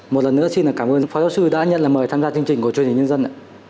một lần nữa xin cảm ơn phó giáo sư đã nhận là mời tham gia chương trình của chương trình nhân dân